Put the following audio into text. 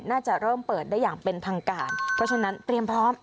น่าจะเริ่มเปิดได้อย่างเป็นทางการเพราะฉะนั้นเตรียมพร้อม